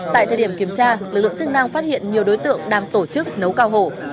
tại thời điểm kiểm tra lực lượng chức năng phát hiện nhiều đối tượng đang tổ chức nấu cao hổ